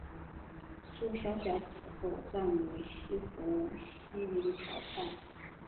苏小小死后葬于西湖西泠桥畔。